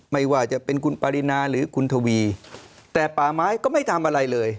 ไม่ว่าจะเป็นคุณปรินาหรือคุณทวีแต่ป่าไม้ก็ไม่ทำอะไรเลย